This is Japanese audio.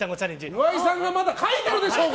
岩井さんがまだ書いてるでしょうが！